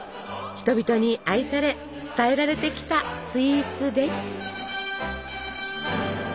人々に愛され伝えられてきたスイーツです。